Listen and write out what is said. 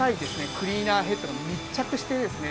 クリーナーヘッドが密着してですね